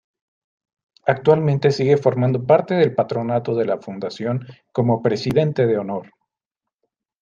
Actualmente sigue formando parte del Patronato de la Fundación como Presidente de Honor.